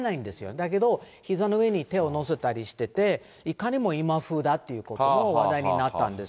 だけどひざの上に手を乗せたりしてて、いかにも今風だってことも話題になったんです。